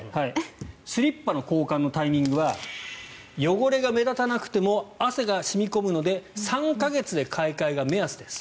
スリッパの交換のタイミングは汚れが目立たなくても汗が染み込むので３か月で買い替えが目安です。